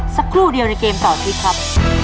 สักครู่เดียวในเกมต่อชีวิตครับ